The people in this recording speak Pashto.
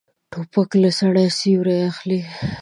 توپک له سړي سیوری اخلي.